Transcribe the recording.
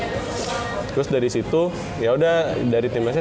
terus dari situ yaudah dari timnasnya